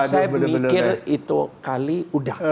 saya pikir itu kali udah